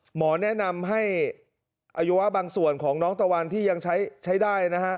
หมอแนะนำให้อวัยวะบางส่วนของน้องตะวันที่ยังใช้ได้นะฮะ